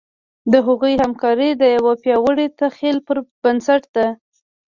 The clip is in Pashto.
د هغوی همکاري د یوه پیاوړي تخیل پر بنسټ ده.